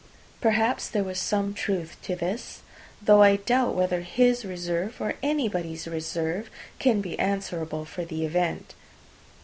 Perhaps there was some truth in this; though I doubt whether his reserve, or anybody's reserve can be answerable for the event.